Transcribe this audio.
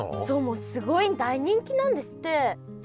もうすごい大人気なんですって。